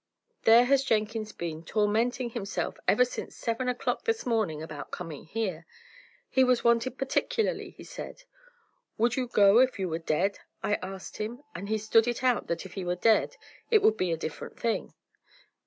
There has Jenkins been, tormenting himself ever since seven o'clock this morning about coming here; he was wanted particularly, he said. 'Would you go if you were dead?' I asked him; and he stood it out that if he were dead it would be a different thing.